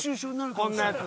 こんなやつ。